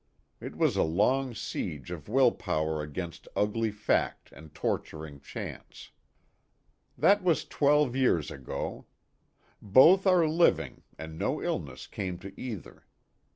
It was a long siege of will power against ugly fact and torturing chance. That was twelve years ago. Both are living, and no illness came to either.